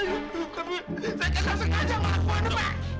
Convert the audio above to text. pak tapi saya tidak sekadar mengaku ini pak